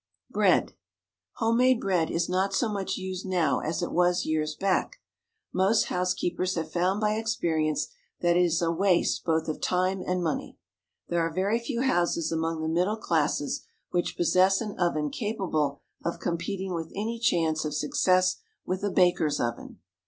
BREAD. Home made bread is not so much used now as it was years back. Most housekeepers have found by experience that it is a waste both of time and money. There are very few houses among the middle classes which possess an oven capable of competing with any chance of success with a baker's oven.